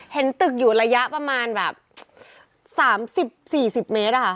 เห็นตึกอยู่ระยะประมาณแบบ๓๐๔๐เมตรอะค่ะ